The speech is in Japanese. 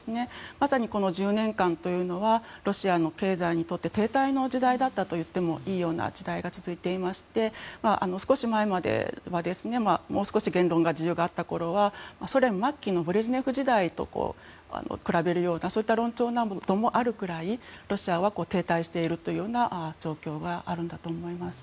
まさにこの１０年間というのはロシアの経済にとって停滞の時代だったといってもいい時代が続いていまして少し前まではもう少し言論の自由があったころはソ連末期のブレジネフ時代と比べるようなそういった論調などもあるくらいロシアは停滞しているというような状況があるんだと思います。